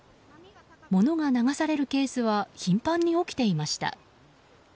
物が流されるケースは頻繁に起きていました。